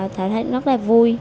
thảo thấy rất là vui